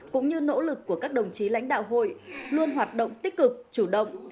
cũng như nỗ lực của các đồng chí lãnh đạo hội luôn hoạt động tích cực chủ động